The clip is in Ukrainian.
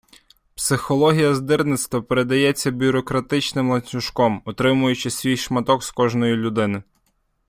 Психологія здирництва передається бюрократичним ланцюжком, отримуючи свій шматок з кожної людини.